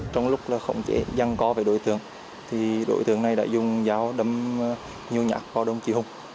trong lúc khống chế gian co về đối tượng thì đối tượng này đã dùng dao đâm nhu nhạc vào đồng chí hùng